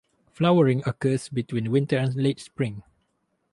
Flowering occurs between winter and late spring.